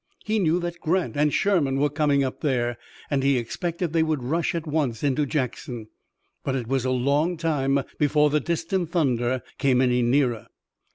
He knew that Grant and Sherman were coming up there, and he expected they would rush at once into Jackson, but it was a long time before the distant thunder came any nearer.